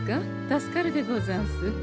助かるでござんす。